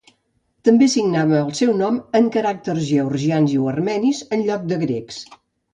També signava el seu nom en caràcters georgians o armenis en lloc de grecs.